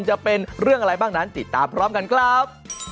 จะเป็นเรื่องอะไรบ้างนั้นติดตามพร้อมกันครับ